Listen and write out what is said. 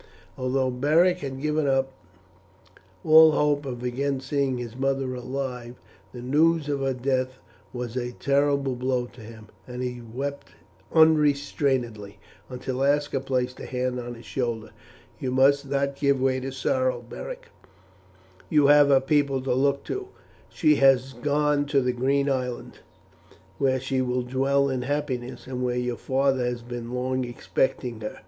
Although Beric had given up all hope of again seeing his mother alive, the news of her death was a terrible blow to him, and he wept unrestrainedly until Aska placed a hand on his shoulder. "You must not give way to sorrow, Beric. You have her people to look to. She has gone to the Green Island, where she will dwell in happiness, and where your father has been long expecting her.